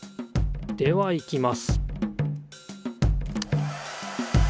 ではいきます